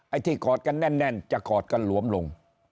ไอ้ที่กอดกันแน่นจะกอดกันหลวมลง